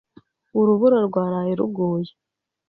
Urubura rwaraye ruguye.